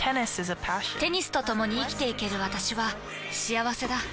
テニスとともに生きていける私は幸せだ。